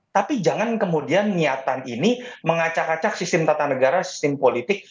tapi jangan kemudian niatan ini mengacak acak sistem tata negara sistem politik